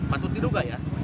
patut diduga ya